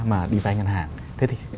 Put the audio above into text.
mà đi vay ngân hàng thế thì